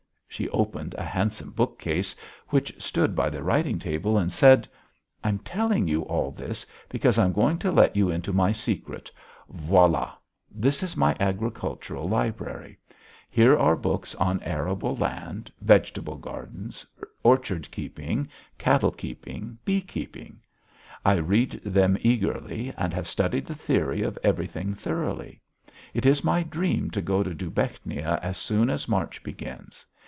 She opened a handsome bookcase which stood by the writing table and said: "I'm telling you all this because I'm going to let you into my secret. Voilà. This is my agricultural library. Here are books on arable land, vegetable gardens, orchard keeping, cattle keeping, bee keeping: I read them eagerly and have studied the theory of everything thoroughly. It is my dream to go to Dubechnia as soon as March begins.